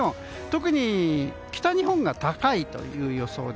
特に北日本が高いという予報。